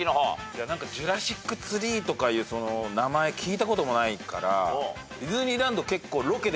ジュラシック・ツリーとかいう名前聞いたこともないからディズニーランド結構。